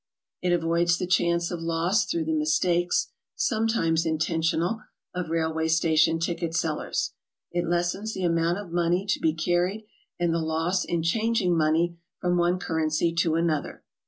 It avoids the chance of loss through the mis takes (sometimes intentional) of railway station ticket sellers. It lessens the amount of money to be carried, and the loss in changing money from one currency to another.